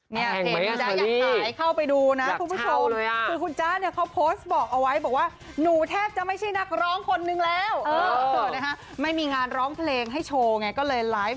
เนี่ยจ๊ะอย่างหายเข้าไปดูนะทุกคนโชคอีโยชาห์คุณเจ้าแขนก็โพสบอกเอาไว้บอกว่าหนูแทบจะไม่ใช่นักร้องคนหนึ่งแล้วหิวศลร้อนเพลงให้โชว์ไงก็เลย